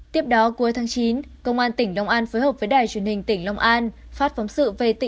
tiếp đó cuối tháng chín công an tỉnh long an phối hợp với đài truyền hình tỉnh long an phát phóng sự về tỉnh thất bồng lai